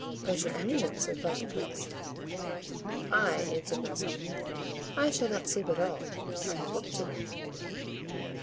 "But your eminence?" replied the prince. "I," answered Mazarin, "I shall not sleep at all; I have work to do."